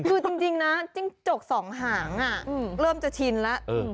คือจริงนะจิ้งจกสองหางเริ่มจะชินแล้ว